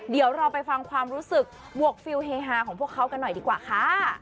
เดี๋ยวเราไปฟังความรู้สึกบวกฟิลเฮฮาของพวกเขากันหน่อยดีกว่าค่ะ